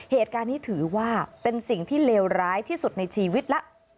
เหตุการณ์นี้ถือว่าเป็นสิ่งที่เลวร้ายที่สุดในชีวิตแล้ว